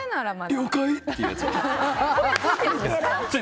了解っていうやつ。